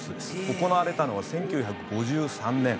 行われたのは１９５３年。